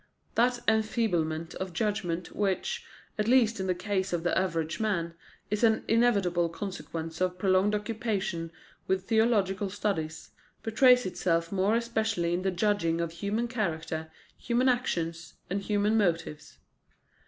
That enfeeblement of judgment which, at least in the case of the average man, is an inevitable consequence of prolonged occupation with theological studies, betrays itself more especially in the judging of human character, human actions, and human motives.